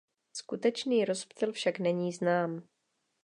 Skutečný rozptyl však není znám.